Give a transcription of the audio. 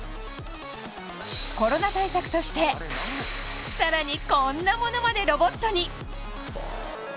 コロナ対策として更に、こんなものまでロボットに。